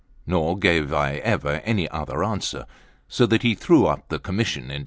Nor gave I ever any other answer; so that he threw up the commission in despair.